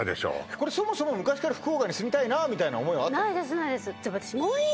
これそもそも昔から福岡に住みたいなみたいな思いはないですないです